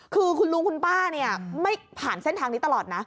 คือคุณลุงคุณป้าเนี่ยไม่ผ่านเส้นทางนี้ตลอดนะ